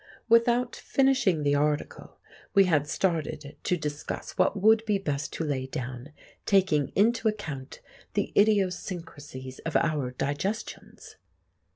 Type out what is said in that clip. Without finishing the article, we had started to discuss what would be best to lay down, taking into account the idiosyncrasies of our digestions.